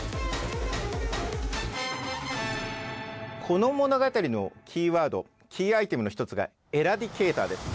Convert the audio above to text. この物語のキーワードキーアイテムの一つがエラディケイターです。